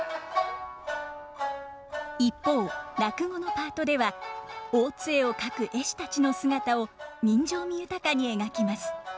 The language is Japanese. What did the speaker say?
一方落語のパートでは大津絵を描く絵師たちの姿を人情味豊かに描きます。